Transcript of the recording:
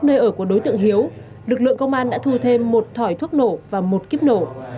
nơi ở của đối tượng hiếu lực lượng công an đã thu thêm một thỏi thuốc nổ và một kíp nổ